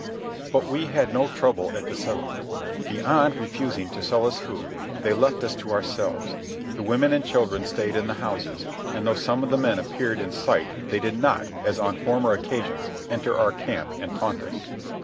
But we had no trouble at the settlement. Beyond refusing to sell us food, they left us to ourselves. The women and children stayed in the houses, and though some of the men appeared in sight they did not, as on former occasions, enter our camp and taunt us.